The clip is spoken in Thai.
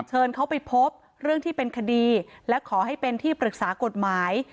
เชิญเขาไปพบเรื่องที่เป็นคดีและขอให้เป็นที่ปรึกษากฎหมาย